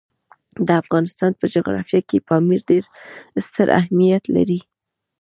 د افغانستان په جغرافیه کې پامیر ډېر ستر اهمیت لري.